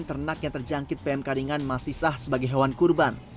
ternak yang terjangkit pmk ringan masih sah sebagai hewan kurban